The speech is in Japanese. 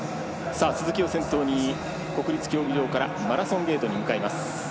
鈴木を先頭に国立競技場からマラソンゲートに向かいます。